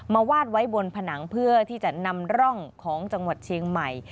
วาดไว้บนผนังเพื่อที่จะนำร่องของจังหวัดเชียงใหม่